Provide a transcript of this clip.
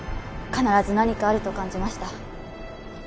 必ず何かあると感じました